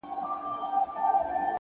لکه لوبغاړی ضرورت کي په سر بال وهي”